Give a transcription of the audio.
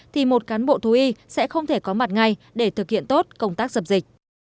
thì một cán bộ thú y sẽ không thể có mặt ngay để thực hiện tốt công tác dập dịch